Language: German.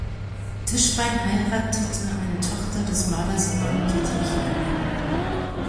Tischbein heiratete eine Tochter des Malers Johann Dietrich Lilly.